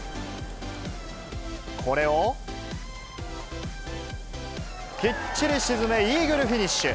これを、きっちり沈め、イーグルフィニッシュ。